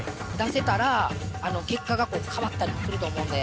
出せたら、結果が変わったりもすると思うんで。